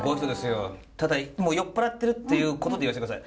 ただ酔っ払ってるっていうことで言わせて下さい。